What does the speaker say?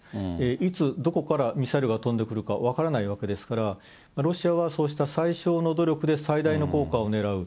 いつ、どこからミサイルが飛んでくるか分からないわけですから、ロシアはそうした最小の努力で最大の効果を狙う。